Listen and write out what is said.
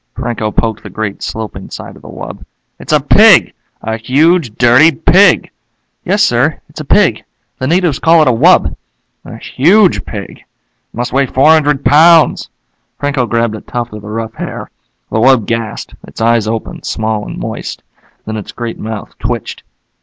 Franco poked the great sloping side of the wub. "It's a pig! A huge dirty pig!" "Yes sir, it's a pig. The natives call it a wub." "A huge pig. It must weigh four hundred pounds." Franco grabbed a tuft of the rough hair. The wub gasped. Its eyes opened, small and moist. Then its great mouth twitched.